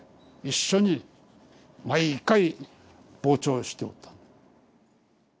一緒に毎回傍聴しておったんだ。